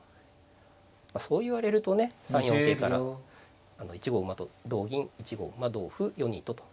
まあそう言われるとね３四桂から１五馬と同銀１五馬同歩４二とと。